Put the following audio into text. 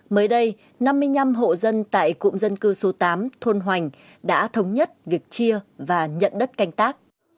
mới đây năm mươi năm hộ dân tại cụm dân cư số tám thôn hoành đã thống nhất việc chia và nhận đất canh tác